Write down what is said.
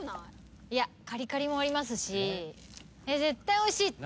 いやカリカリもありますし絶対おいしいって。